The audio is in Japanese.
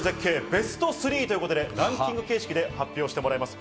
ベスト３ということで、ランキング形式で発表してもらいます。